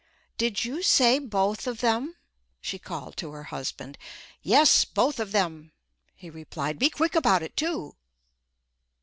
"Did you say both of them?" she called to her husband. "Yes, both of them," he replied. "Be quick about it, too."